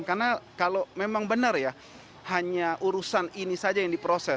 karena kalau memang benar ya hanya urusan ini saja yang diproses